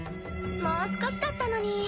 もう少しだったのに。